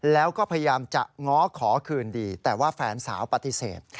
แล้วก็พยายามจะง้อขอคืนดีแต่ว่าแฟนสาวปฏิเสธ